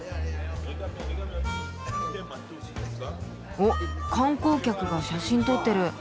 おっ観光客が写真撮ってる。